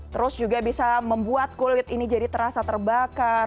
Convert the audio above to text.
terus juga bisa membuat kulit ini jadi terasa terbakar